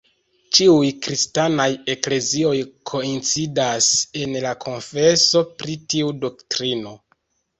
Ĉiuj kristanaj eklezioj koincidas en la konfeso pri tiu doktrino.